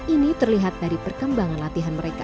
ini terlihat dari perkembangan latihan mereka